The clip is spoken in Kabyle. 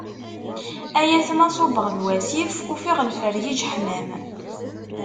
Ay atma ṣubbeɣ d wasif, ufiɣ lferk ijeḥmam.